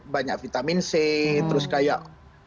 banyak vitamin c terus kayak